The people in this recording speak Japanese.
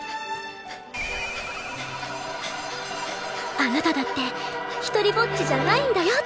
あなただって独りぼっちじゃないんだよって